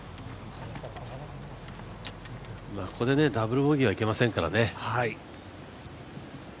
ここでダブルボギーはいけませんからね。